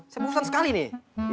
saya bosan sekali nih